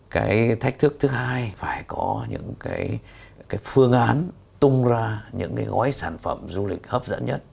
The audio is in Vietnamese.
cái thách thức thứ hai phải có những cái phương án tung ra những cái gói sản phẩm du lịch hấp dẫn nhất